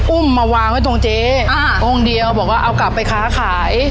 อุ้มมาวางไว้ตรงเจ๊อ่าองค์เดียวบอกว่าเอากลับไปค้าขาย